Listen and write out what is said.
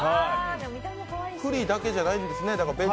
栗だけじゃないんですね。